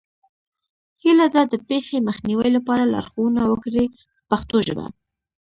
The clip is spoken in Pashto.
هیله ده د پېښې مخنیوي لپاره لارښوونه وکړئ په پښتو ژبه.